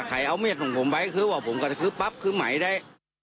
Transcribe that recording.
ใครเอามีดของผมไว้คือว่าผมกระทืบปั๊บคือไหมได้